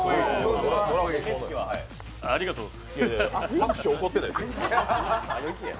拍手起こってないです。